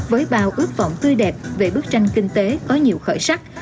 với bao ước vọng tươi đẹp về bức tranh kinh tế có nhiều khởi sắc